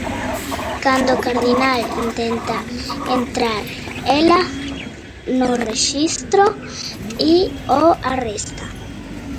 Cuando Cardinal intenta entrar, ella lo registra y lo arresta.